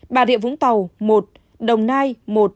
bà rịa vũng tàu một đồng nai một